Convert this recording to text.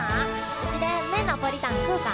うちでんめえナポリタン食うか？